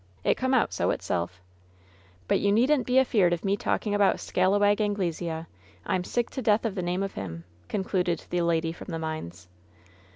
It come out so itself! But you needn't be afeard of me talking about Skallawag Anglesea 1 I'm sick to death of the name of him 1" concluded the lady from the mines.